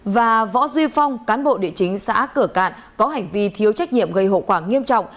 và võ duy phong cán bộ địa chính xã cửa cạn có hành vi thiếu trách nhiệm gây hậu quả nghiêm trọng